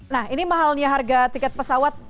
nah ini mahalnya harga tiket pesawat